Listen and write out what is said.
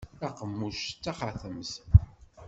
Taqemmuct d taxatemt.